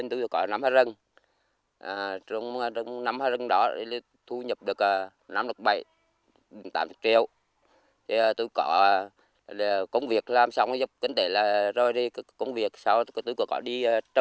nếu chăm sóc tốt nhiều diện tích cho thu nhập từ bảy mươi tám mươi triệu đồng một hectare